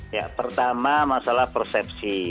ya pertama masalah persepsi